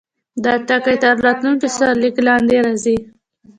دا ټکی تر راتلونکي سرلیک لاندې راځي.